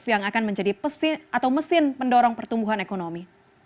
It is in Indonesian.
yang akan menjadi atau mesin mendorong pertumbuhan ekonomi